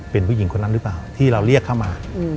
เป็นผู้หญิงคนนั้นหรือเปล่าที่เราเรียกเข้ามา